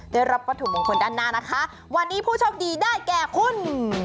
ได้รับวัตถุมงคลด้านหน้านะคะวันนี้ผู้โชคดีได้แก่คุณ